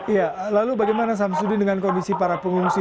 ya lalu bagaimana samsudin dengan kondisi para pengungsi